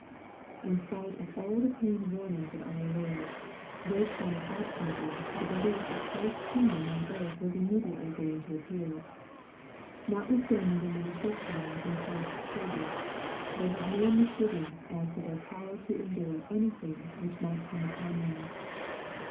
In spite of all the plain warnings of our Lord, they clung obstinately to the belief that Christ's kingdom on earth was immediately going to apprar. Notwithstand , ing their many shortcomings in Christ's service, they had no misgivings as to their power to endure any thing which might come upon them.